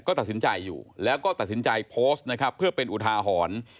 ก็ตัดสินใจอยู่แล้วก็ตัดสินใจโพสต์นะครับเพื่อเป็นอุทาหรณ์